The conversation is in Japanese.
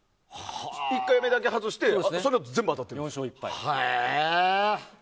１回目だけ外してそのあと全部当たってます。